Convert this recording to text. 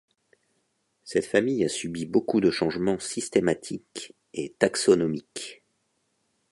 Cette famille a subi beaucoup de changements systématique et taxonomique.